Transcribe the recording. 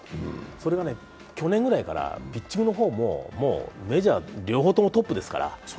それがね、去年ぐらいからピッチングの方もメジャー、もう両方ともトップですから。